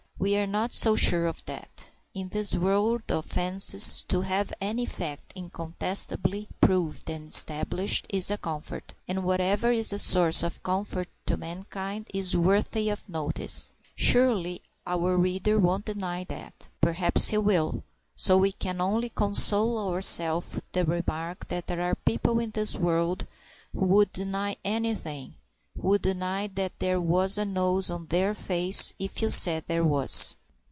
We are not so sure of that. In this world of fancies, to have any fact incontestably proved and established is a comfort, and whatever is a source of comfort to mankind is worthy of notice. Surely our reader won't deny that! Perhaps he will, so we can only console ourself with the remark that there are people in this world who would deny anything who would deny that there was a nose on their face if you said there was!